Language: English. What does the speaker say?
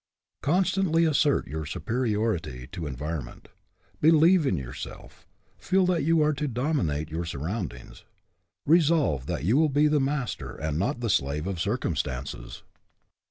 Constantly assert your superiority to environment. Believe in yourself; feel that you are to dominate your surroundings. Re solve that you will be the master and not the slave of circumstances.